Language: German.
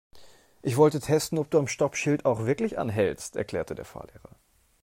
Ich wollte testen, ob du am Stoppschild auch wirklich anhältst, erklärte der Fahrlehrer.